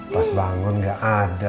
pas bangun gak ada